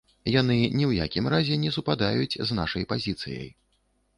Яны ні ў якім разе не супадаюць з нашай пазіцыяй.